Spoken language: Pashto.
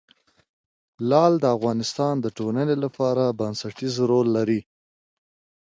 لعل د افغانستان د ټولنې لپاره بنسټيز رول لري.